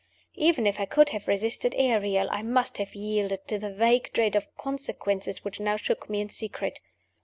Even if I could have resisted Ariel, I must have yielded to the vague dread of consequences which now shook me in secret.